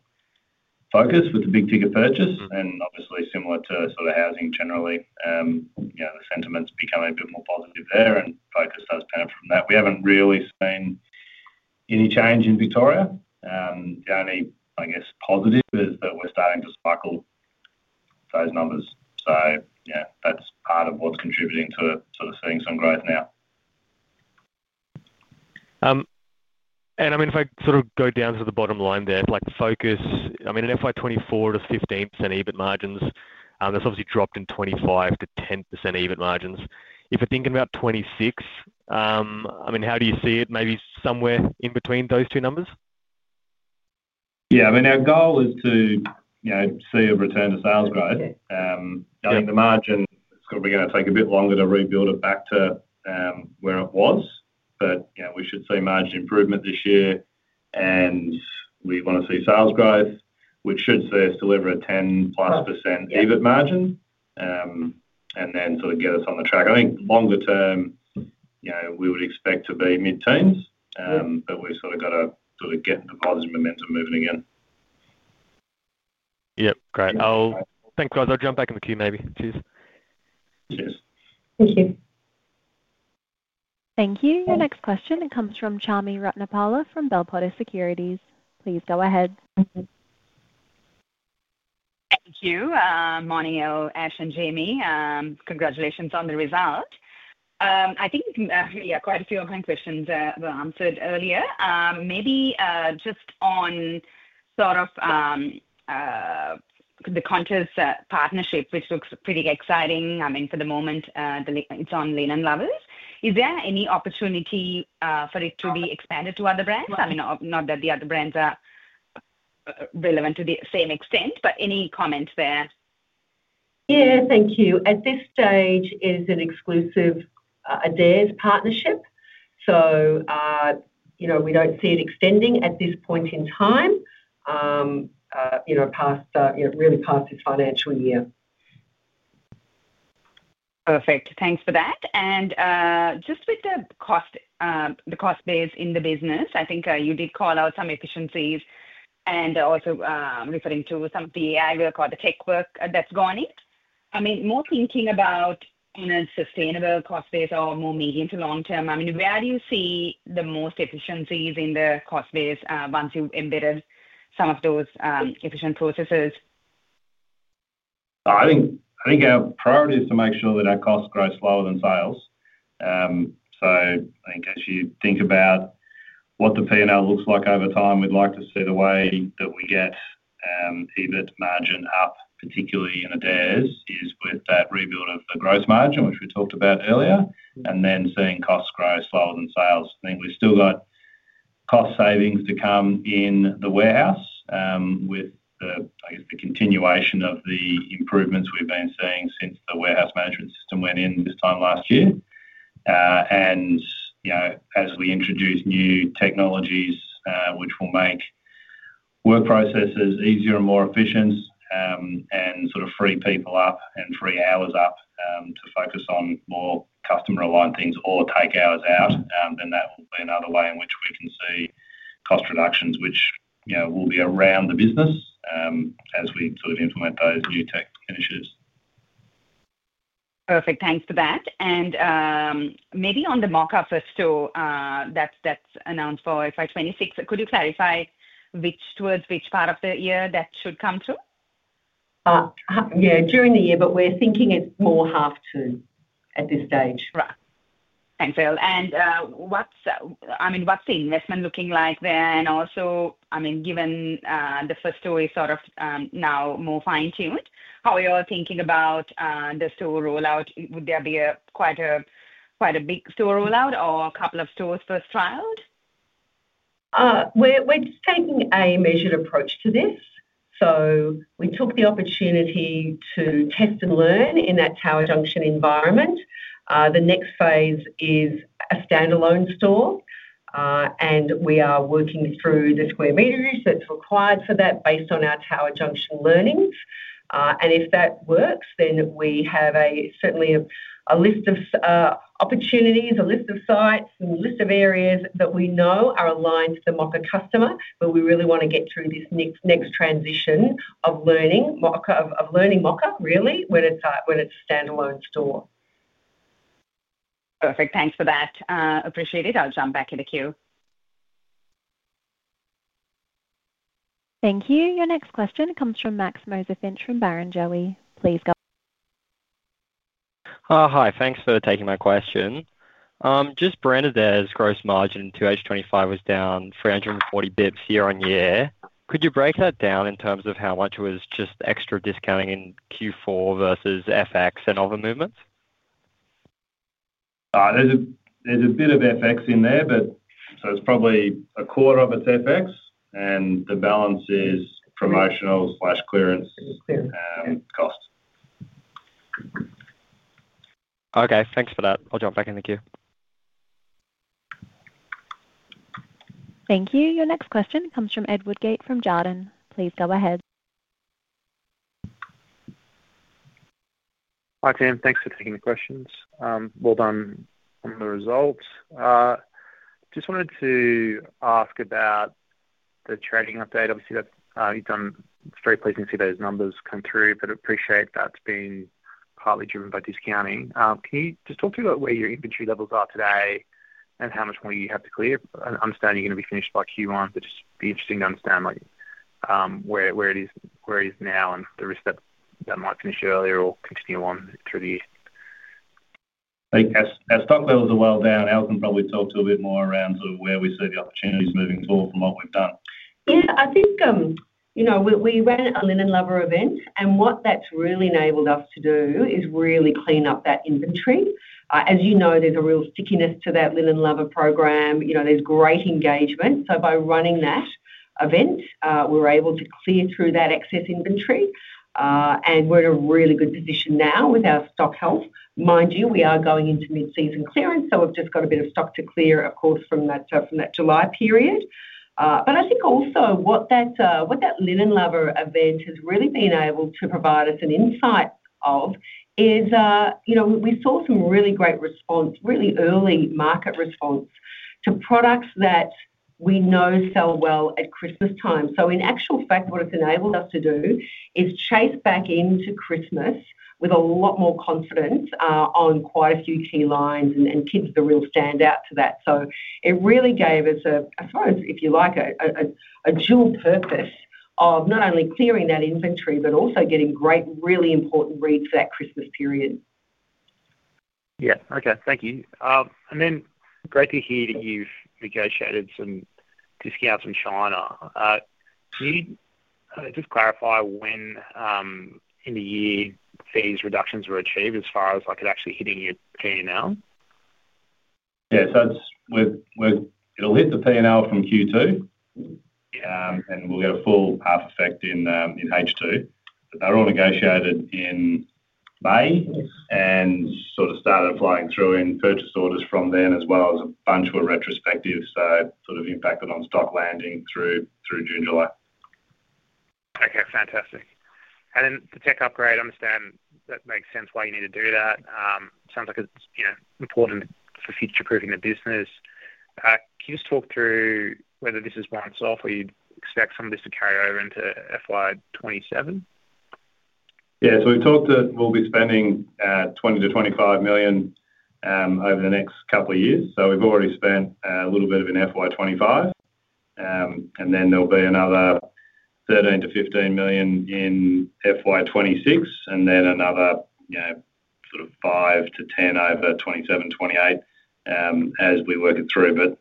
B: Focus on Furniture with the big ticket purchase. Obviously, similar to housing generally, the sentiment's becoming a bit more positive there. Focus on Furniture does kind of that. We haven't really seen any change in Victoria. The only, I guess, positive is that we're starting to sparkle those numbers. That's part of what's contributing to seeing some growth now.
D: If I sort of go down to the bottom line there, like Focus on Furniture, in FY 2024 it was 15% EBIT margins. That's obviously dropped in FY 2025 to 10% EBIT margins. If we're thinking about FY 2026, how do you see it? Maybe somewhere in between those two numbers?
B: Yeah, I mean, our goal is to, you know, see a return to sales growth. I think the margin is going to take a bit longer to rebuild it back to where it was, but, yeah, we should see margin improvement this year. We want to see sales growth, which should, say, deliver a 10%+ EBIT margin, and then sort of get us on the track. I think longer term, you know, we would expect to be mid-teens, but we've sort of got to sort of get the positive momentum moving again.
D: Yep, great. Thanks, guys. I'll jump back in the queue, maybe. Cheers.
C: Thank you. Your next question comes from Chami Ratnapala from Bell Potter Securities. Please go ahead.
E: Thank you, Moni O, Ash, and Jamie. Congratulations on the result. I think quite a few of my questions were answered earlier. Maybe just on the Qantas partnership, which looks pretty exciting. For the moment, it's on Adairs Linen Lovers. Is there any opportunity for it to be expanded to other brands? Not that the other brands are relevant to the same extent, but any comments there?
A: Thank you. At this stage, it's an exclusive Adairs partnership. We don't see it extending at this point in time, really past its financial year.
E: Perfect. Thanks for that. Just with the cost base in the business, I think you did call out some efficiencies and also referred to some of the AI or the tech work that's gone in. I'm more thinking about, you know, sustainable cost base or more medium to long term. Where do you see the most efficiencies in the cost base once you've embedded some of those efficient processes?
B: I think our priority is to make sure that our cost growth is lower than sales. I think actually, think about what the P&L looks like over time. We'd like to see the way that we get EBIT margin up, particularly in Adairs, is with that rebuild of the gross margin, which we talked about earlier, and then seeing cost growth lower than sales. I think we've still got cost savings to come in the warehouse, with the continuation of the improvements we've been seeing since the warehouse management system went in this time last year. As we introduce new technologies, which will make work processes easier and more efficient, and sort of free people up and free hours up to focus on more customer-reliant things or take hours out, that will be another way in which we can see cost reductions, which will be around the business as we sort of implement those new tech initiatives.
E: Perfect. Thanks for that. Maybe on the Mocka first store, that's announced for FY 2026. Could you clarify towards which part of the year that should come through?
A: Yeah, during the year, we're thinking it's more half two at this stage.
E: Right. Thanks, Elle. What's the investment looking like there? Also, given the first store is now more fine-tuned, how are you all thinking about the store rollout? Would there be quite a big store rollout or a couple of stores first trialed?
A: We're just taking a measured approach to this. We took the opportunity to test and learn in that Tower Junction environment. The next phase is a standalone store, and we are working through the square meter use that's required for that based on our Tower Junction learnings. If that works, then we have certainly a list of opportunities, a list of sites, and a list of areas that we know are aligned to the Mocka customer, but we really want to get through this next transition of learning Mocka, really, when it's a standalone store.
E: Perfect. Thanks for that. Appreciate it. I'll jump back in the queue.
C: Thank you. Your next question comes from Max Moser-Finch from Barrenjoey.
F: Hi, thanks for taking my question. Just on Adairs' gross margin to H2 2025, it was down 340 basis points year-on-year. Could you break that down in terms of how much was just extra discounting in Q4 versus FX and other movements?
B: There's a bit of FX in there, so it's probably a quarter of it's FX, and the balance is promotional/clearance cost.
F: Okay, thanks for that. I'll jump back in the queue.
C: Thank you. Your next question comes from Ed Woodgate from Jarden. Please go ahead.
G: Hi Tim, thanks for taking the questions. Well done on the results. I just wanted to ask about the trading update. Obviously, it's very pleasing to see those numbers come through, but I appreciate that's been partly driven by discounting. Can you just talk to me about where your inventory levels are today and how much more you have to clear? I understand you're going to be finished by Q1, but it'd just be interesting to understand where it is now and the risk that that might finish earlier or continue on through the year, I think.
B: Our stock levels are well down. Elle can probably talk to a bit more around where we see the opportunities moving forward from what we've done.
A: Yeah, I think, you know, we ran a Linen Lovers event, and what that's really enabled us to do is really clean up that inventory. As you know, there's a real stickiness to that Linen Lovers program. You know, there's great engagement. By running that event, we're able to clear through that excess inventory, and we're in a really good position now with our stock health. Mind you, we are going into mid-season clearance, so we've just got a bit of stock to clear across from that July period. I think also what that Linen Lovers event has really been able to provide us an insight of is, you know, we saw some really great response, really early market response to products that we know sell well at Christmas time. In actual fact, what it's enabled us to do is chase back into Christmas with a lot more confidence on quite a few key lines, and kids are the real standouts for that. It really gave us a, I suppose, if you like, a dual purpose of not only clearing that inventory, but also getting great, really important reads for that Christmas period.
G: Yeah, okay, thank you. Great to hear that you've negotiated some discounts in China. Can you just clarify when in the year these reductions were achieved as far as it actually hitting your P&L?
B: Yeah. It'll hit the P&L from Q2, and we'll get a full part effect in H2. They're all negotiated in May and started flowing through in purchase orders from then, as well as a bunch were retrospective, so it impacted on stock landing through June-July.
G: Okay, fantastic. The tech upgrade, I understand that makes sense why you need to do that. It sounds like it's important for future-proofing the business. Can you just talk through whether this is once off or you'd expect some of this to carry over into FY 2027?
B: Yeah, we've talked that we'll be spending $20 million-$25 million over the next couple of years. We've already spent a little bit in FY 2025, and then there'll be another $13 million-$15 million in FY 2026, and then another $5 million-$10 million over 2027, 2028 as we work it through.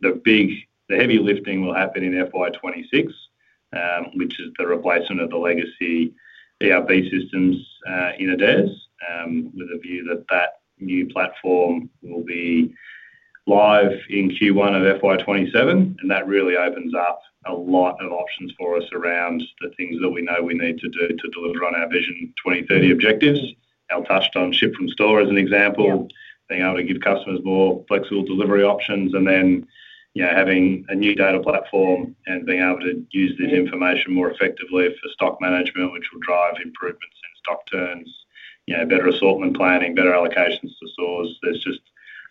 B: The heavy lifting will happen in FY 2026, which is the replacement of the legacy ERP system in Adairs, with a view that the new platform will be live in Q1 of FY 2027, and that really opens up a lot of options for us around the things that we know we need to do to deliver on our Vision 2030 objectives. Elle touched on ship from store as an example, being able to give customers more flexible delivery options, and then having a new data platform and being able to use this information more effectively for stock management, which will drive improvements in stock returns, better assortment planning, better allocations to stores. There's just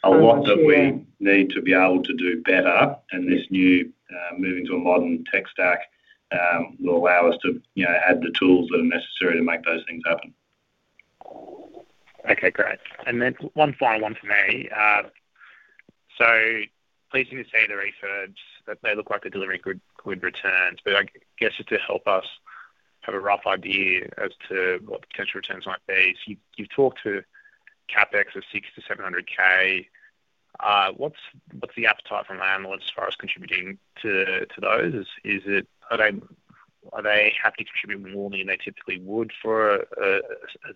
B: a lot that we need to be able to do better, and moving to a modern tech stack will allow us to add the tools that are necessary to make those things happen.
G: Okay, great. One final one for me. Pleasing to see the research that they look like they're delivering good returns, but just to help us have a rough idea as to what potential returns might be. You've talked to CapEx of $600,00-$700,000. What's the appetite from the analysts as far as contributing to those? Are they happy to contribute more than they typically would for a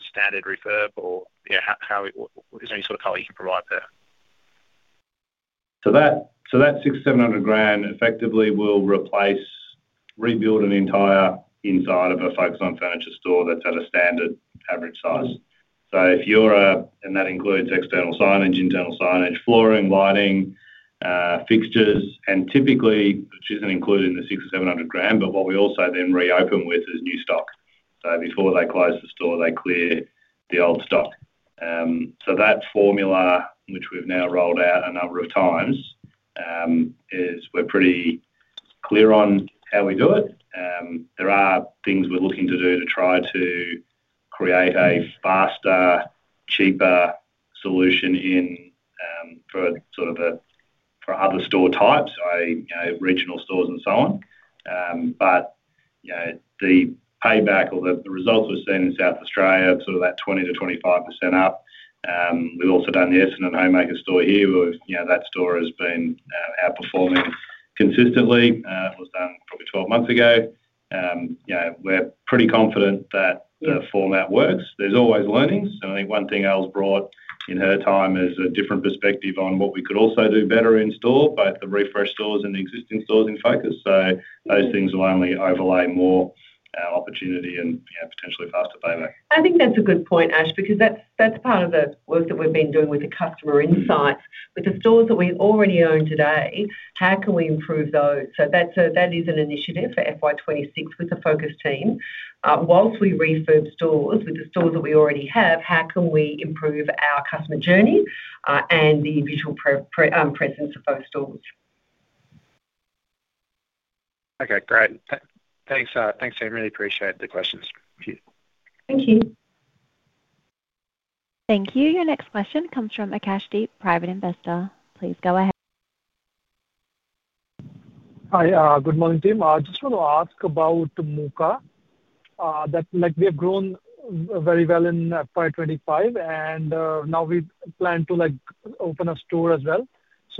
G: standard refurb or is there any sort of color you can provide there?
B: That $600,000 effectively will replace, rebuild an entire inside of a Focus on Furniture store that's at a standard average size. If you're a, and that includes external signage, internal signage, flooring, lighting, fixtures, and typically it isn't included in the $600,000-$700,000, but what we also then reopen with is new stock. Before they close the store, they clear the old stock. That formula, which we've now rolled out a number of times, is we're pretty clear on how we do it. There are things we're looking to do to try to create a faster, cheaper solution for other store types, you know, regional stores and so on. The payback or the result we're seeing in South Australia of that 20%-25% up. We've also done this in a homemaker store here where that store has been outperforming consistently. It was done probably 12 months ago. We're pretty confident that the format works. There's always learnings. I think one thing Elle's brought in her time is a different perspective on what we could also do better in store, both the refresh stores and the existing stores in Focus on Furniture. Those things will only overlay more opportunity and, you know, potentially faster payback.
A: I think that's a good point, Ash, because that's part of the work that we've been doing with the customer insights. With the stores that we already own today, how can we improve those? That is an initiative for FY 2026 with the Focus on Furniture team. Whilst we refurb stores with the stores that we already have, how can we improve our customer journey and the visual presence of those stores?
C: Okay, great. Thanks, Jamie. Really appreciate the questions.
A: Thank you.
C: Thank you. Your next question comes from [Akash Deep,] private investor. Please go ahead. Hi, good morning, Tim. I just want to ask about Mocka. We have grown very well in FY 2025, and now we plan to open a store as well.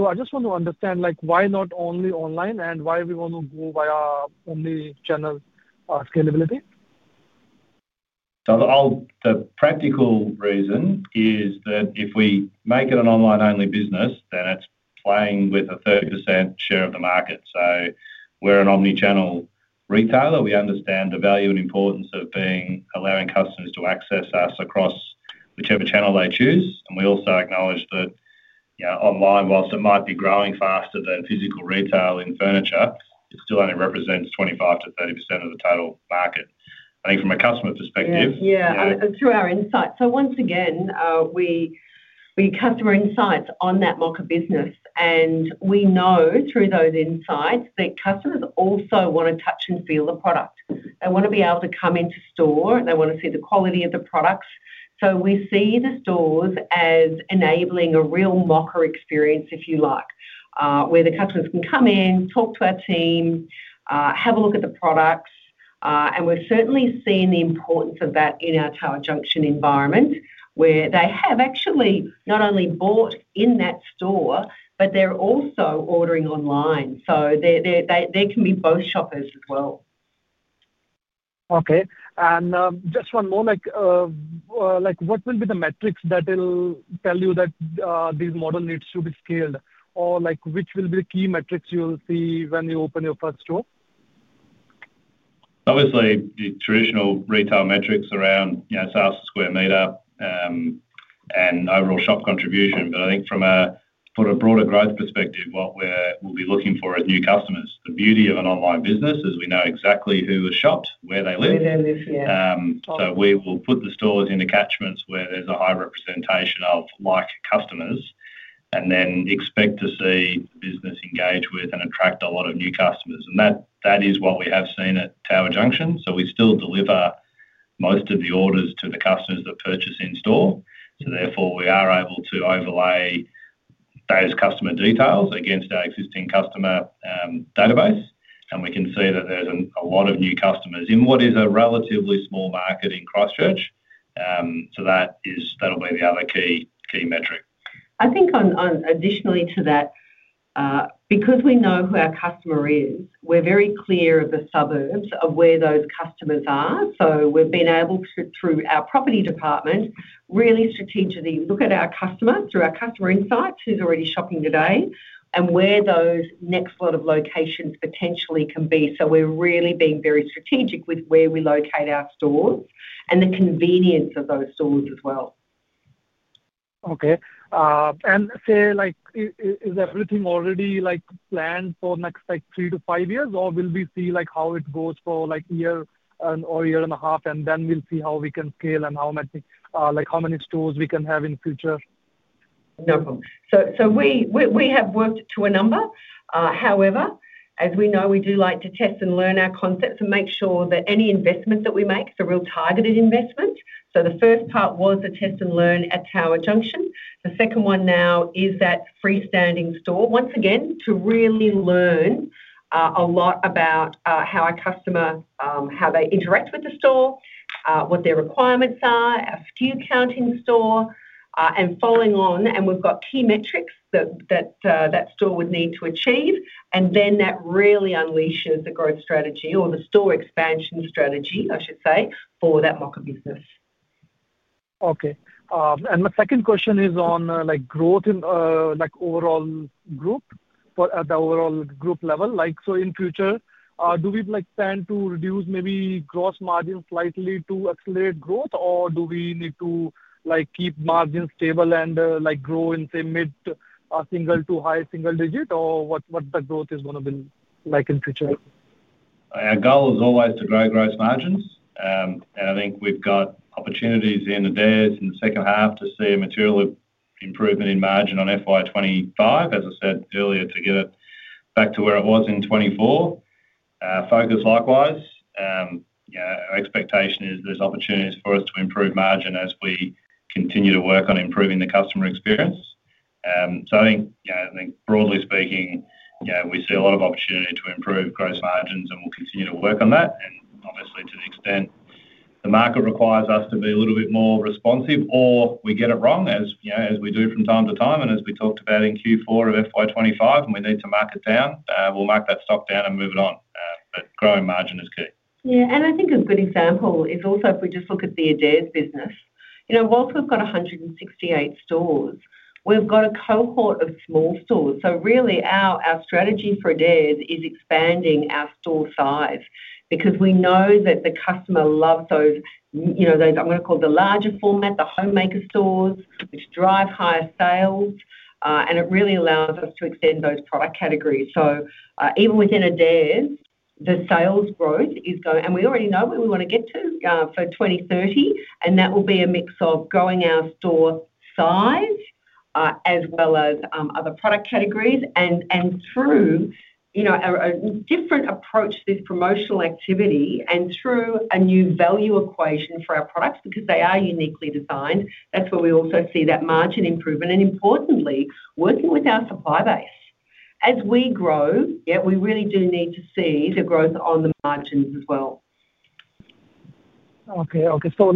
C: I just want to understand why not only online and why we want to go via omnichannel scalability?
B: The practical reason is that if we make it an online-only business, it's playing with a 30% share of the market. We're an omnichannel retailer. We understand the value and importance of allowing customers to access us across whichever channel they choose. We also acknowledge that, you know, online, whilst it might be growing faster than physical retail in furniture, it still only represents 25%-30% of the total market. I think from a customer perspective.
A: Yeah, and through our insights. Once again, we have customer insights on that Mocka business, and we know through those insights that customers also want to touch and feel the product. They want to be able to come into store. They want to see the quality of the products. We see the stores as enabling a real Mocka experience, if you like, where the customers can come in, talk to our team, have a look at the products. We've certainly seen the importance of that in our Tower Junction environment, where they have actually not only bought in that store, but they're also ordering online. They can be both shoppers as well. Okay, just one more. What will be the metrics that will tell you that this model needs to be scaled? Which will be the key metrics you'll see when you open your first store?
B: Obviously, the traditional retail metrics around sales to square meter, and overall shop contribution. From a broader growth perspective, what we'll be looking for is new customers. The beauty of an online business is we know exactly who has shopped, where they live. We will put the stores in attachments where there's a high representation of like customers, and then expect to see business engage with and attract a lot of new customers. That is what we have seen at Tower Junction. We still deliver most of the orders to the customers that purchase in store. Therefore, we are able to overlay those customer details against our existing customer database. We can see that there's a lot of new customers in what is a relatively small market in Christchurch. That'll be the other key metric.
A: I think additionally to that, because we know who our customer is, we're very clear of the suburbs of where those customers are. We've been able to, through our property department, really strategically look at our customer through our customer insights, who's already shopping today, and where those next lot of locations potentially can be. We're really being very strategic with where we locate our stores and the convenience of those stores as well. Okay, is everything already planned for the next three to five years, or will we see how it goes for a year or a year and a half, and then we'll see how we can scale and how many stores we can have in the future? We have worked to a number. However, as we know, we do like to test and learn our concepts and make sure that any investment that we make is a real targeted investment. The first part was the test and learn at Tower Junction. The second one now is that freestanding store, once again, to really learn a lot about how a customer, how they interact with the store, what their requirements are, a SKU count in store, and following on. We've got key metrics that that store would need to achieve, and then that really unleashes the growth strategy or the store expansion strategy, I should say, for that Mocka business. Okay, and my second question is on growth in overall group, but at the overall group level. In the future, do we plan to reduce maybe gross margins slightly to accelerate growth, or do we need to keep margins stable and grow in, say, mid-single to high single digit, or what the growth is going to be like in the future?
B: Our goal is always to grow gross margins, and I think we've got opportunities in Adairs in the second half to see a material improvement in margin on FY 2025, as I said earlier, to get it back to where it was in 2024. Focus on Furniture likewise. Our expectation is there's opportunities for us to improve margin as we continue to work on improving the customer experience. I think, broadly speaking, we see a lot of opportunity to improve gross margins, and we'll continue to work on that. Obviously, to the extent the market requires us to be a little bit more responsive, or we get it wrong, as you know, as we do from time to time, and as we talked about in Q4 of FY 2025, and we need to mark it down, we'll mark that stock down and move it on. Growing margin is key.
A: Yeah, and I think a good example is also if we just look at the Adairs business. Whilst we've got 168 stores, we've got a cohort of small stores. Our strategy for Adairs is expanding our store size because we know that the customer loves those, you know, those, I'm going to call it the larger format, the homemaker stores, which drive higher sales, and it really allows us to extend those product categories. Even within Adairs, the sales growth is going, and we already know what we want to get to for 2030, and that will be a mix of growing our store size as well as other product categories. Through a different approach to this promotional activity and through a new value equation for our products because they are uniquely designed, that's where we also see that margin improvement. Importantly, working with our supply base. As we grow, yeah, we really do need to see the growth on the margins as well. Okay, so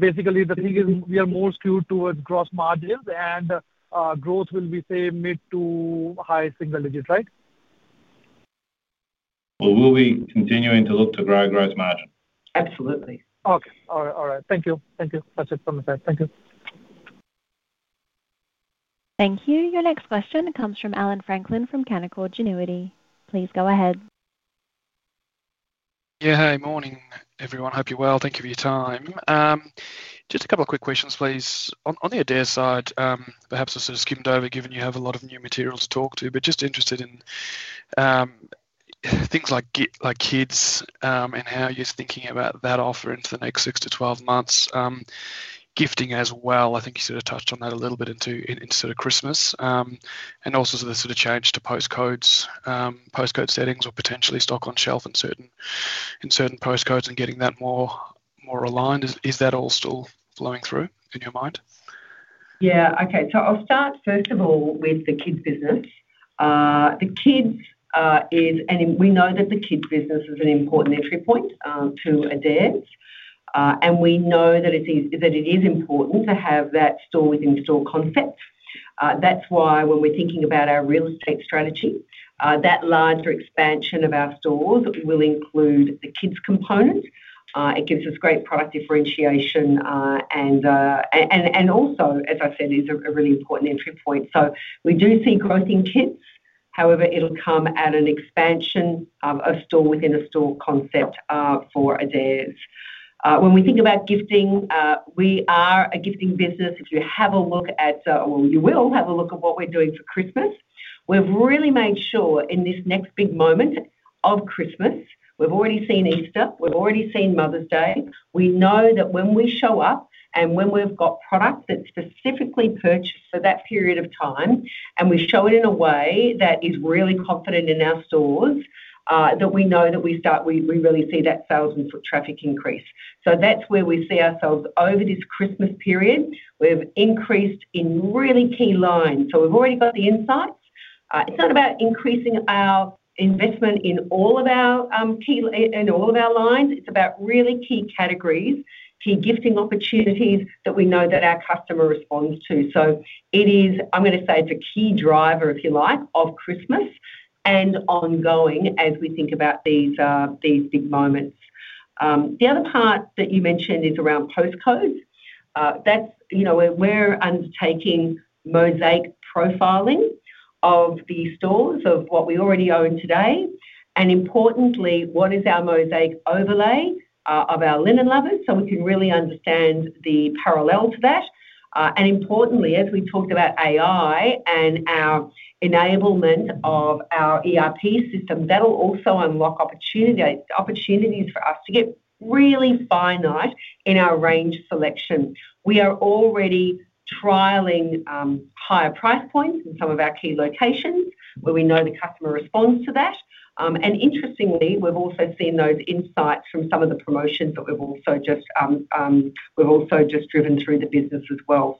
A: basically the thing is we are more skewed towards gross margins, and growth will be, say, mid to high single digits, right?
B: We will be continuing to look to grow gross margin.
A: Absolutely. Okay, all right. Thank you. Thank you. That's it from my side. Thank you.
C: Thank you. Your next question comes from Allan Franklin from Canaccord Genuity. Please go ahead.
H: Yeah, hey, morning everyone. Hope you're well. Thank you for your time. Just a couple of quick questions, please. On the Adairs side, perhaps I've sort of skimmed over given you have a lot of new materials to talk to, but just interested in things like kids and how you're thinking about that offer into the next six to 12 months. Gifting as well, I think you sort of touched on that a little bit into sort of Christmas. Also, the sort of change to postcodes, postcode settings, or potentially stock on shelf in certain postcodes and getting that more aligned. Is that all still flowing through in your mind?
A: Yeah, okay, I'll start first of all with the kids' business. The kids' is, and we know that the kids' business is an important entry point to Adairs. We know that it is important to have that store-in-store concept. That's why when we're thinking about our real estate strategy, that larger expansion of our stores will include the kids' component. It gives us great product differentiation and also, as I've said, is a really important entry point. We do see growth in kids. However, it'll come at an expansion of store-in-store concept for Adairs. When we think about gifting, we are a gifting business. If you have a look at, or you will have a look at what we're doing for Christmas, we've really made sure in this next big moment of Christmas, we've already seen Easter, we've already seen Mother's Day. We know that when we show up and when we've got product that's specifically purchased for that period of time and we show it in a way that is really confident in our stores, we know that we really see that sales and foot traffic increase. That's where we see ourselves over this Christmas period. We've increased in really key lines. We've already got the insights. It's not about increasing our investment in all of our lines. It's about really key categories, key gifting opportunities that we know our customer responds to. It is, I'm going to say, it's a key driver, if you like, of Christmas and ongoing as we think about these big moments. The other part that you mentioned is around postcodes. We're undertaking mosaic profiling of the stores of what we already own today. Importantly, what is our mosaic overlay of our Adairs Linen Lovers? We can really understand the parallel to that. Importantly, as we talked about AI and our enablement of our ERP system, that'll also unlock opportunities for us to get really finite in our range selection. We are already trialing higher price points in some of our key locations where we know the customer responds to that. Interestingly, we've also seen those insights from some of the promotions that we've also just driven through the business as well.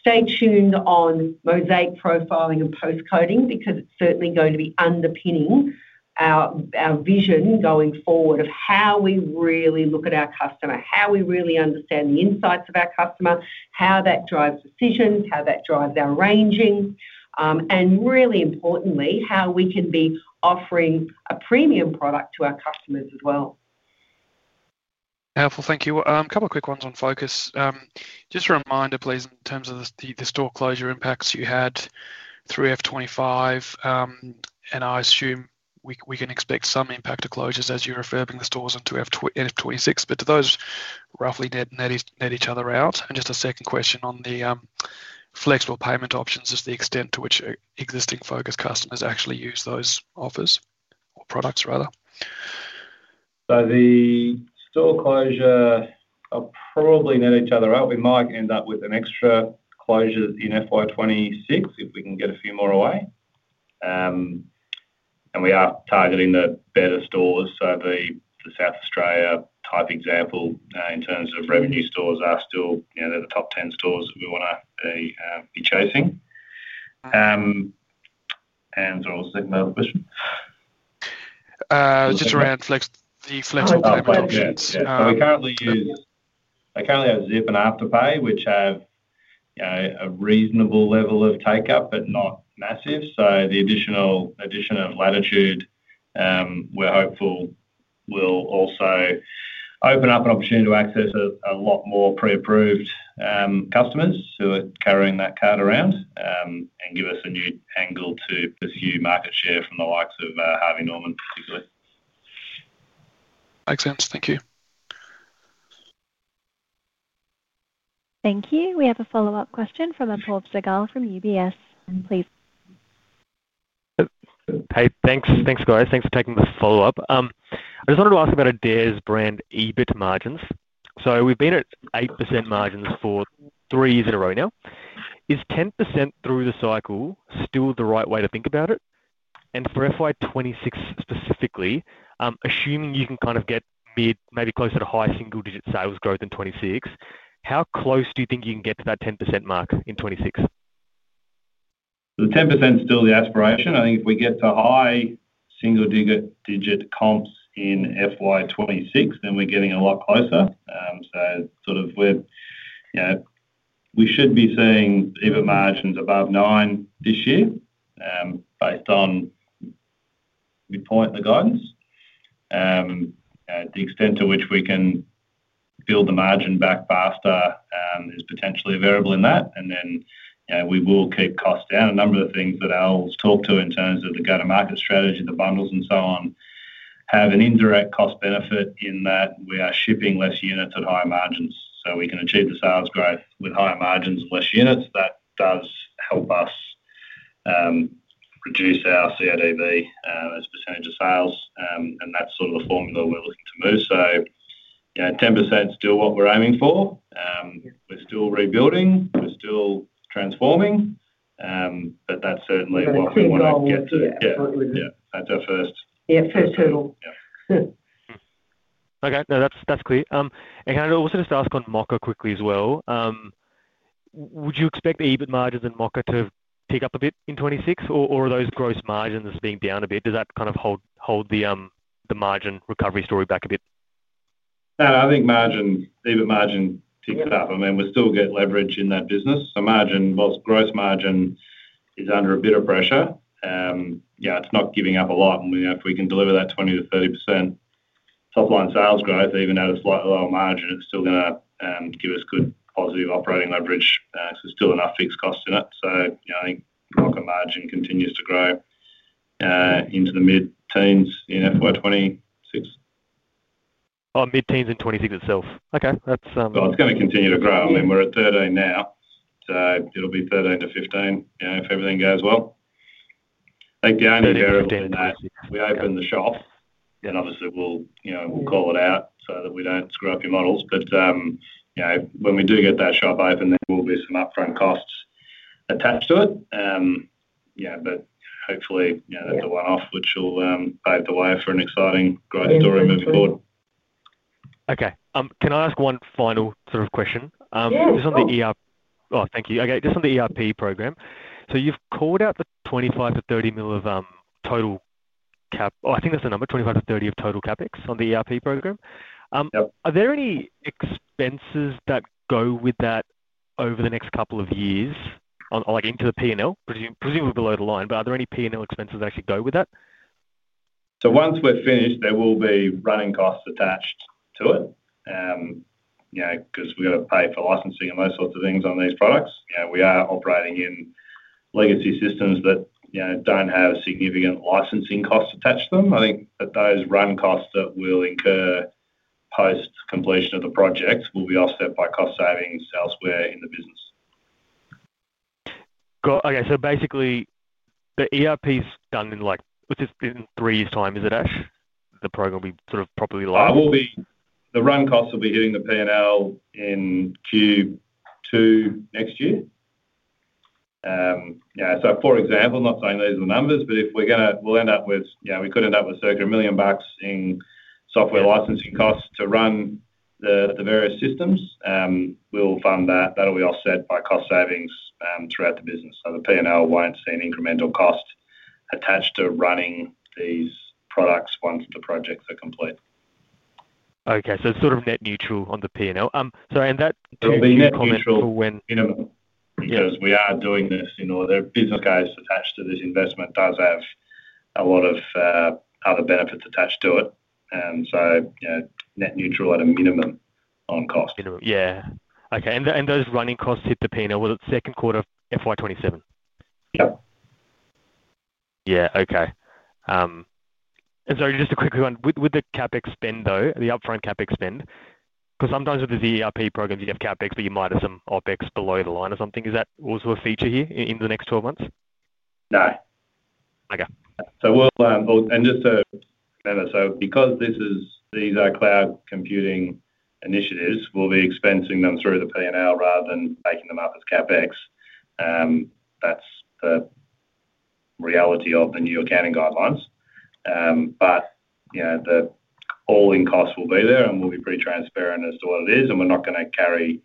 A: Stay tuned on mosaic profiling and postcoding because it's certainly going to be underpinning our vision going forward of how we really look at our customer, how we really understand the insights of our customer, how that drives decisions, how that drives our ranging, and really importantly, how we can be offering a premium product to our customers as well.
H: Helpful, thank you. A couple of quick ones on Focus on Furniture. Just a reminder, please, in terms of the store closure impacts you had through fiscal 2025, and I assume we can expect some impact to closures as you're refurbing the stores into fiscal 2026, do those roughly net each other out? Just a second question on the flexible payment options, is the extent to which existing Focus on Furniture customers actually use those offers or products, rather?
B: The store closure will probably net each other out. We might end up with an extra closure in FY 2026 if we can get a few more away. We are targeting the better stores. The South Australia type example in terms of revenue stores are still, you know, they're the top 10 stores that we want to be chasing. I was thinking about...
H: Just around the flexible payment options.
B: I currently use Zip and Afterpay, which have a reasonable level of take-up but not massive. The addition of Latitude, we're hopeful, will also open up an opportunity to access a lot more pre-approved customers who are carrying that card around and give us a new angle to pursue market share from the likes of Harvey Norman particularly.
H: Makes sense, thank you.
C: Thank you. We have a follow-up question from Apoorv Sehgal from UBS. Please.
D: Hey, thanks, thanks guys. Thanks for taking the follow-up. I just wanted to ask about Adairs brand EBIT margins. We've been at 8% margins for three years in a row now. Is 10% through the cycle still the right way to think about it? For FY 2026 specifically, assuming you can kind of get mid maybe closer to high single digit sales growth in 2026, how close do you think you can get to that 10% mark in 2026?
B: The 10% is still the aspiration. I think if we get to high single digit comps in FY 2026, then we're getting a lot closer. We should be seeing EBIT margins above 9% this year based on the point of the guidance. The extent to which we can build the margin back faster is potentially a variable in that. We will keep costs down. A number of the things that I'll talk to in terms of the go to market strategy, the bundles and so on have an indirect cost benefit in that we are shipping less units at higher margins. We can achieve the sales growth with higher margins, less units. That does help us reduce our CADV as a percentage of sales. That's sort of the formula we're looking to move. The 10% is still what we're aiming for. We're still rebuilding. We're still transforming. That's certainly what we want to achieve.
D: I think I'll get to that.
B: Yeah, that's our first.
A: Yeah, first hurdle.
D: Okay, no, that's clear. Can I also just ask on Mocka quickly as well? Would you expect the EBIT margins in Mocka to pick up a bit in 2026, or are those gross margins being down a bit? Does that kind of hold the margin recovery story back a bit?
B: No, I think margin, EBIT margin picks it up. I mean, we still get leverage in that business. Margin, gross margin is under a bit of pressure. Yeah, it's not giving up a lot. We know if we can deliver that 20% to 30% top line sales growth, even at a slightly lower margin, it's still going to give us good positive operating leverage because there's still enough fixed costs in it. I think Mocka margin continues to grow into the mid-teens in FY 2026.
D: Mid-teens in 2026 itself. Okay, that's.
B: It's going to continue to grow. I mean, we're at 30 now. It'll be 30 to 15, you know, if everything goes well. Down in Berwick, we open the shop. Obviously, we'll call it out so that we don't screw up your models. When we do get that shop open, there will be some upfront costs attached to it. Hopefully, that's a one-off which will pave the way for an exciting growth story moving forward.
D: Okay, can I ask one final sort of question? Just on the ERP, thank you. Okay, just on the ERP program. You've called out the $25 million-$30 million of total CapEx on the ERP program. Are there any expenses that go with that over the next couple of years, like into the P&L? Presumably below the line, but are there any P&L expenses that actually go with that?
B: Once we're finished, there will be running costs attached to it because we've got to pay for licensing and those sorts of things on these products. We are operating in legacy systems that don't have significant licensing costs attached to them. I think that those run costs that will incur post-completion of the projects will be offset by cost savings elsewhere in the business.
D: Okay, so basically, the ERP is done in, like, which is in three years' time, is it, Ash? The program will be sort of probably live.
B: The run costs will be hitting the P&L in Q2 next year. For example, I'm not saying those are the numbers, but if we're going to, we'll end up with, you know, we could end up with circa $1 million in software licensing costs to run the various systems. We'll fund that. That'll be offset by cost savings throughout the business. The P&L won't see an incremental cost attached to running these products once the projects are complete.
D: Okay, so it's sort of net neutral on the P&L, so that to be net neutral.
B: Minimum, because we are doing this in order. Business case attached to this investment does have a lot of other benefits attached to it. You know, net neutral at a minimum on cost.
D: Minimum, yeah. Okay, and those running costs hit the P&L with the second quarter of FY 2027? Yeah, okay. Just a quick one, with the CapEx spend though, the upfront CapEx spend, because sometimes with the ERP programs you have CapEx, but you might have some OpEx below the line or something. Is that also a feature here in the next 12 months?
B: No.
D: Okay.
B: These are cloud computing initiatives, we'll be expensing them through the P&L rather than taking them up as CapEx. That's the reality of the new accounting guidelines. The all-in costs will be there and we'll be pretty transparent as to what it is and we're not going to carry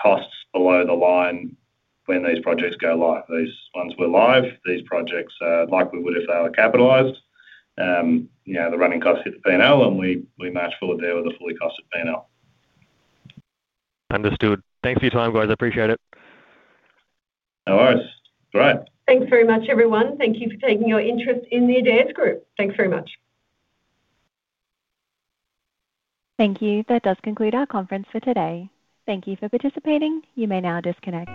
B: costs below the line when these projects go live. These projects are like we would if they were capitalized. The running costs hit the P&L and we match forward there with a fully costed P&L.
D: Understood. Thanks for your time, guys. I appreciate it.
B: No worries. All right.
A: Thanks very much, everyone. Thank you for taking your interest in the Adairs Group. Thanks very much.
C: Thank you. That does conclude our conference for today. Thank you for participating. You may now disconnect.